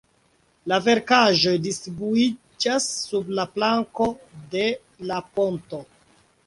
La verkaĵoj distribuiĝas sub la planko de la ponto.